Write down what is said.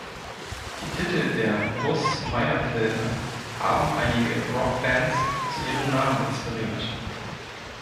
Die Titel der Russ-Meyer-Filme haben einige Rock-Bands zu ihrem Namen inspiriert.